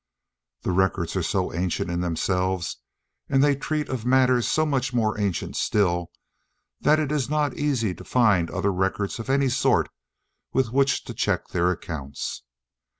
The records are so ancient in themselves, and they treat of matters so much more ancient still, that it is not easy to find other records of any sort with which to check their accounts.